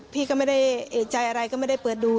พี่ก็ไม่ได้เอกใจอะไรก็ไม่ได้เปิดดู